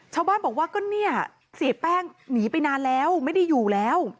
ชาวบ้านบอกว่าก็เนี่ยเสียแป้งหนีไปนานแล้วไม่ได้อยู่แล้ว